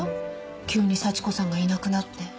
急に幸子さんがいなくなって。